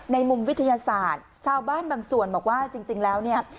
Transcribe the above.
ในมุมวิทยาศาสตร์ชาวบ้านบางส่วนบอกว่าจริงแล้วเนี่ย